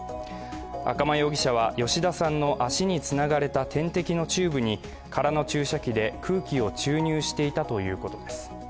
赤間容疑者は吉田さんの足につながれた点滴のチューブに空の注射器で空気を注入していたということです。